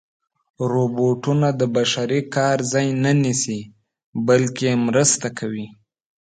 روبوټونه د بشري کار ځای نه نیسي، بلکې مرسته کوي.